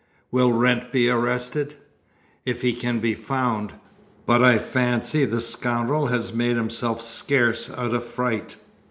"Will Wrent be arrested?" "If he can be found; but I fancy the scoundrel has made himself scarce out of fright.